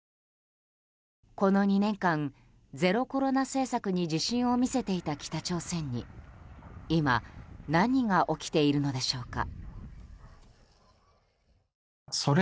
この２年間、ゼロコロナ政策に自信を見せていた北朝鮮に、今何が起きているのでしょうか。